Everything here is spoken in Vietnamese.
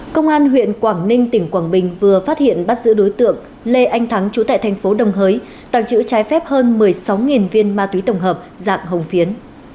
công an huyện quảng ninh tỉnh quảng bình vừa phát hiện bắt giữ đối tượng lê anh thắng trú tại thành phố đồng hới tàng trữ trái phép hơn một mươi sáu viên ma túy tổng hợp dạng hồng phiến